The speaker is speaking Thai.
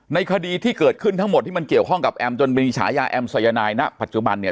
ในคดีที่เกิดขึ้นทั้งหมดที่มันเกี่ยวข้องกับแอมจนมีฉายาแอมสายนายณปัจจุบันเนี่ย